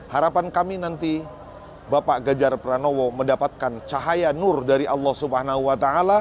harapan kami nanti bapak ganjar pranowo mendapatkan cahaya nur dari allah swt